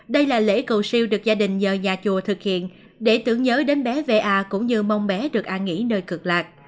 đây là lễ cầu siêu được gia đình nhờ nhà chùa thực hiện để tưởng nhớ đến bé cũng như mong bé được an nghỉ nơi cực lạc